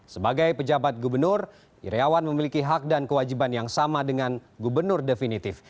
sebagai pejabat gubernur iryawan memiliki hak dan kewajiban yang sama dengan gubernur definitif